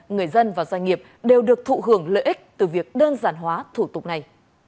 người dân và doanh nghiệp đều được thụ hưởng lợi ích từ việc đơn giản hóa thủ tục này